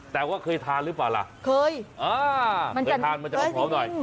แต่ว่าเคยทานหรือเปล่าล่ะเคยเคยทานมันจะเอาหอมหน่อย